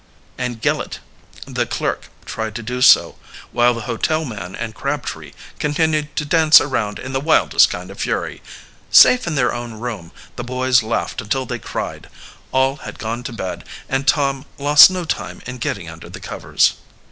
And Gillett, the clerk, tried to do so, while the hotel man and Crabtree continued to dance around in the wildest kind of fury. Safe in their own room, the boys laughed until they cried. All had gone to bed, and Tom lost no time in getting under the covers.